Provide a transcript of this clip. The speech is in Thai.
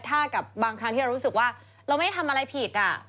ถ้ากับบางครั้งที่เรารู้สึกว่าเราไม่ได้ทำอะไรผิด